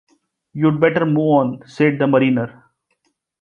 "You'd better move on," said the mariner.